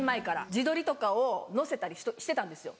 自撮りとかを載せたりしてたんですよ。